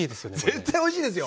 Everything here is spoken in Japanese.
絶対おいしいですよ！